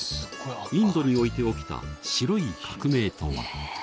インドにおいて起きた「白い革命」とは。